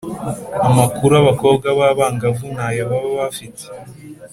amakuru abakobwa b’abangavu ntayo baba bafite